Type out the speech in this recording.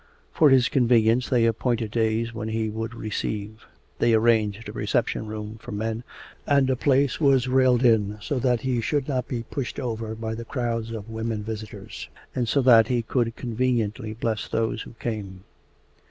For his convenience they appointed days when he would receive. They arranged a reception room for men, and a place was railed in so that he should not be pushed over by the crowds of women visitors, and so that he could conveniently bless those who came.